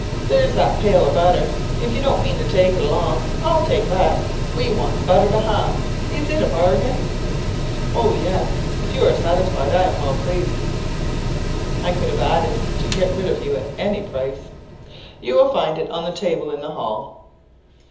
There's that pail of butter; if you don't mean to take it along, I'll take that; we wants butter to hum. Is it a bargain?" "Oh, yes; if you are satisfied, I am well pleased." (I could have added, to get rid of you at any price.) "You will find it on the table in the hall."